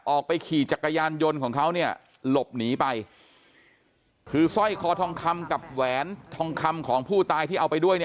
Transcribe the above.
ออกไปขี่จักรยานยนต์ของเขาเนี่ยหลบหนีไปคือสร้อยคอทองคำกับแหวนทองคำของผู้ตายที่เอาไปด้วยเนี่ย